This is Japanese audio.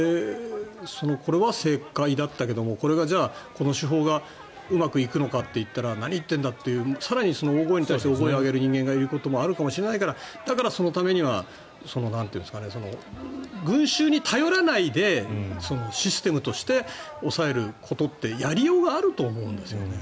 これは正解だったけれどもこの手法がうまくいくのかって言ったら何を言っているんだって更にその大声に大声を上げる人もあるかもしれないからだから、そのためには群衆に頼らないでシステムとして抑えることってやりようがあると思うんですよね。